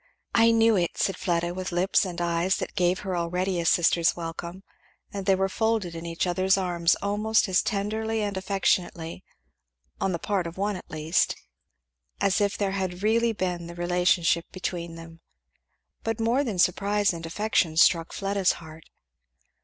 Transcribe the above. "I knew it!" said Fleda, with lips and eyes that gave her already a sister's welcome; and they were folded in each other's arms almost as tenderly and affectionately, on the part of one at least, as if there had really been the relationship between them. But more than surprise and affection struck Fleda's heart.